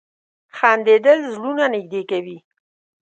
• خندېدل زړونه نږدې کوي.